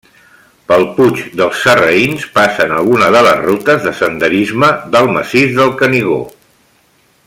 Pel Puig dels Sarraïns passen algunes de les rutes de senderisme del massís del Canigó.